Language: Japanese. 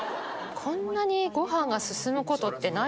こんなにご飯が進むことってない。